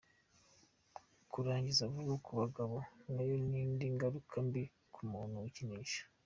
Kurangiza vuba ku bagabo nayo ni indi ngaruka mbi ku muntu wikinisha.